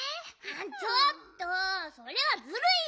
ちょっとそれはずるいよ！